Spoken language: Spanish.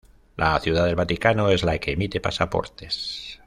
La Ciudad del Vaticano es la que emite pasaportes.